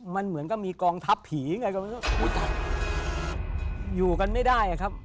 มันเหมือนกับมีกองทัพผีอยู่กันไม่ได้นะครับ